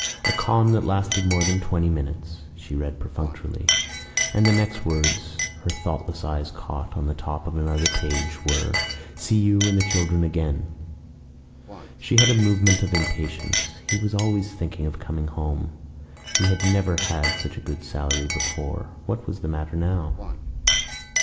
".... A calm that lasted more than twenty minutes," she read perfunctorily; and the next words her thoughtless eyes caught, on the top of another page, were: "see you and the children again. ..." She had a movement of impatience. He was always thinking of coming home. He had never had such a good salary before. What was the matter now?